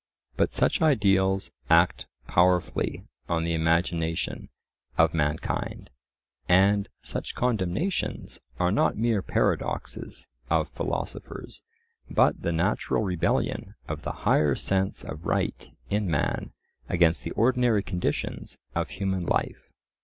But such ideals act powerfully on the imagination of mankind. And such condemnations are not mere paradoxes of philosophers, but the natural rebellion of the higher sense of right in man against the ordinary conditions of human life.